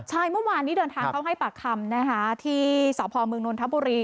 ใช่เมื่อวานนี้เดินทางเข้าให้ปากคำนะคะที่สพมนนทบุรี